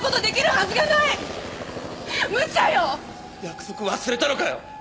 約束忘れたのかよ！